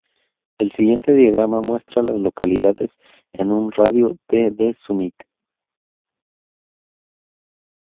El siguiente diagrama muestra a las localidades en un radio de de Summit.